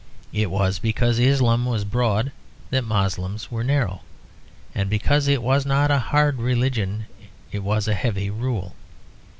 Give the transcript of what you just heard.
It was because Islam was broad that Moslems were narrow. And because it was not a hard religion it was a heavy rule.